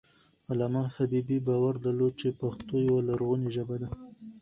علامه حبيبي باور درلود چې پښتو یوه لرغونې ژبه ده.